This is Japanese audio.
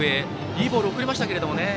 いいボールを送れましたけども。